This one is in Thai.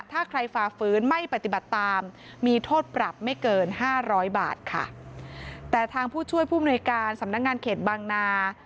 ถ้าใครฝ่าฟื้นไม่ปฏิบัติตามมีโทษปรับไม่เกินห้าร้อยบาทค่ะแต่ทางผู้ช่วยผู้มนุยการสำนักงานเขตบางนา